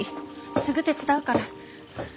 すぐ手伝うから。